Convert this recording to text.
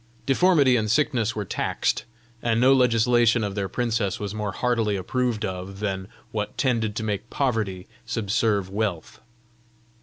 Deformity and sickness were taxed; and no legislation of their princess was more heartily approved of than what tended to make poverty subserve wealth.